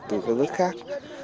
từ các nước khác